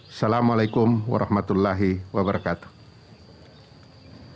assalamu'alaikum warahmatullahi wabarakatuh